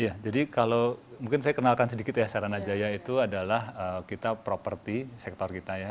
iya jadi kalau mungkin saya kenalkan sedikit ya sarana jaya itu adalah kita properti sektor kita ya